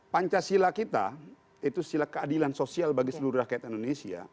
pancasila kita itu sila keadilan sosial bagi seluruh rakyat indonesia